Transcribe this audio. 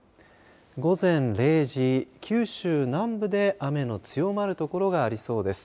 午前０時九州南部で雨の強まるところがありそうです。